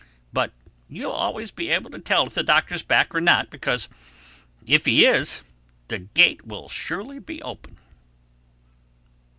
But you'll always be able to tell if the Doctor's back or not—because if he is, the gate will surely be open."